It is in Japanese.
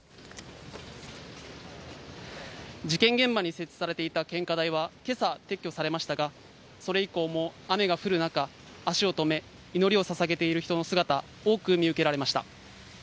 事件現場に設置されていた献花台は、けさ、撤去されましたが、それ以降も雨が降る中、足を止め、祈りをささげている人の姿、多く見受けられました。